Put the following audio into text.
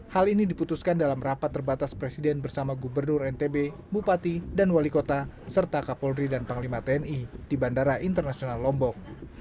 hal ini diputuskan dalam rapat terbatas presiden bersama gubernur ntb bupati dan wali kota serta kapolri dan panglima tni di bandara internasional lombok